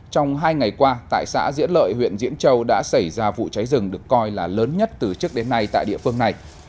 trong hai ngày qua tại xã diễn lợi huyện diễn châu đã xảy ra vụ cháy rừng được coi là lớn nhất từ trước đến nay tại địa phương này